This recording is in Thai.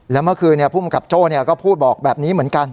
แล้วเมื่อคืนภูมิกับโจ้ก็พูดบอกแบบนี้เหมือนกัน